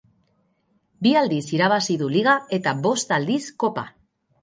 Bi aldiz irabazi du liga eta bost aldiz kopa.